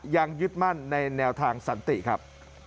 ยังยึดมั่นในแนวทางสันติครับ